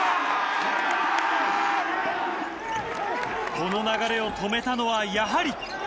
この流れを止めたのはやはり。